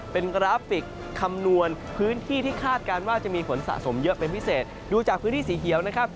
เป็นกราฟิกคำนวณพื้นที่ที่คาดการณ์ว่าจะมีฝนสะสมเยอะเป็นพิเศษดูจากพื้นที่สีเขียวนะครับ